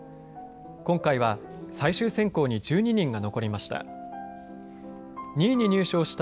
今回は最終選考に１２人が残りました。